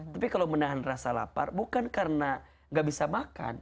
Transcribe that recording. tapi kalau menahan rasa lapar bukan karena gak bisa makan